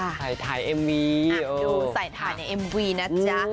ใส่ถ่ายเอ็มวีดูใส่ถ่ายในเอ็มวีนะจ๊ะ